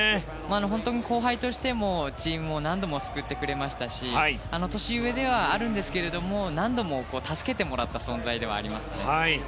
本当に後輩としてもチームを何度も救ってくれましたし年上ではあるんですけれども何度も助けてもらった存在ではありますね。